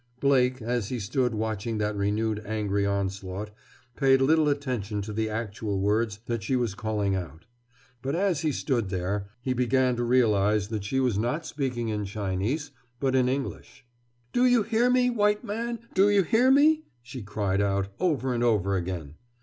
Blake, as he stood watching that renewed angry onslaught, paid little attention to the actual words that she was calling out. But as he stood there he began to realize that she was not speaking in Chinese, but in English. "Do you hear me, white man? Do you hear me?" she cried out, over and over again.